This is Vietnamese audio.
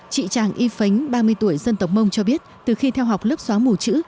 chị tràng y phánh ba mươi tuổi dân tộc mông cho biết từ khi theo học lớp xóa mù chữ